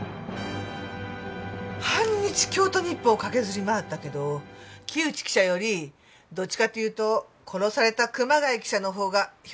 半日京都日報を駆けずり回ったけど木内記者よりどっちかっていうと殺された熊谷記者の方が評判がよくない。